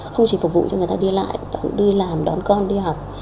không chỉ phục vụ cho người ta đi lại đi làm đón con đi học